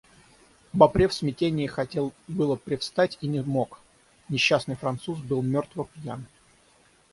Бопре в смятении хотел было привстать и не мог: несчастный француз был мертво пьян.